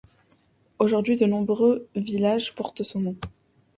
Aujourd’hui de nombreux villages portent son nom.